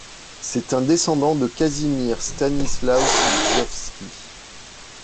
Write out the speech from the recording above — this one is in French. C'est un descendant de Casimir Stanislaus Gzowski.